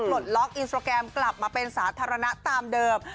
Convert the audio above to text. ปลดล็อกอินสตราแกรมกลับมาเป็นสาธารณะตามเดิม